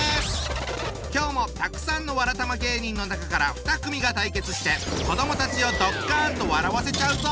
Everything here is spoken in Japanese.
今日もたくさんのわらたま芸人の中から２組が対決して子どもたちをドッカンと笑わせちゃうぞ！